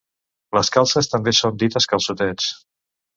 Les calces també són dites calçotets.